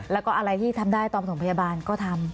แล้วก็อะไรที่ทำได้ตอนถมพยาบาลก็ทำ